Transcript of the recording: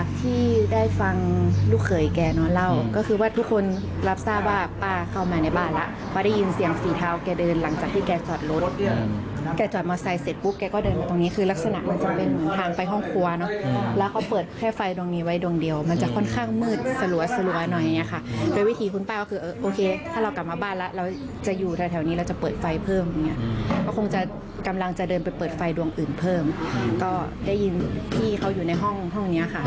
ก็คงกำลังจะเดินไปเปิดไฟดวงอื่นเพิ่มก็ได้ยินพี่เขาอยู่ในห้องห้องนี้ค่ะ